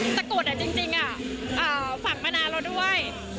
ตะกรุษจริงฝังมานานเราด้วย